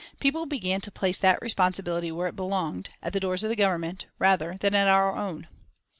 People began to place that responsibility where it belonged, at the doors of the Government, rather than at our own.